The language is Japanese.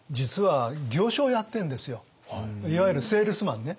いわゆるセールスマンね。